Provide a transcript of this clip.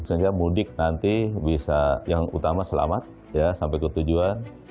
sehingga mudik nanti bisa yang utama selamat sampai ke tujuan